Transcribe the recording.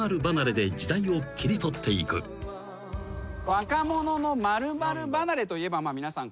「若者の○○離れ」といえば皆さん